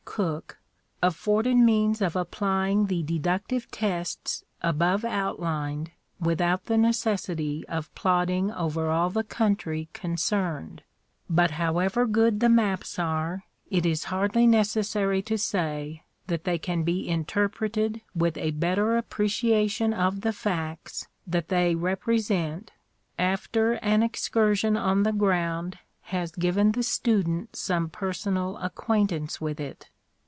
Cook, afforded means of apply ing the deductive tests above outlined without the necessity of plodding over all the country concerned ; but however good the maps are, it is hardly necessary to say that they can be interpreted with a better appreciation of the facts that they represent after an excursion on the ground has given the student some personal acquaintance with it.